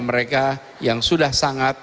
mereka yang sudah sangat